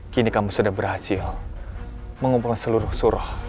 kini kamu sudah berhasil mengumpulkan seluruh surah